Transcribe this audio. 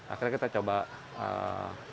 akhirnya kita coba terima tantangannya